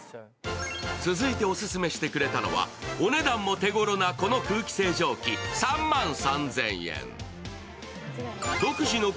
続いてオススメしてくれたのは、お値段も手ごろなこの空気清浄機３万３０００円。